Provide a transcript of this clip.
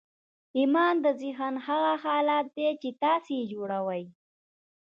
ایمان د ذهن هغه حالت دی چې تاسې یې جوړوئ